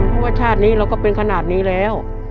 เพราะว่าชาตินี้เราก็เป็นขนาดนี้แล้ว